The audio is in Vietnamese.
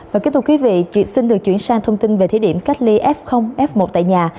và kính thưa quý vị xin được chuyển sang thông tin về thí điểm cách ly f f một tại nhà